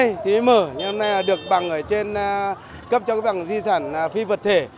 nhưng hôm nay là được bằng ở trên cấp cho cái bằng di sản phi vật thể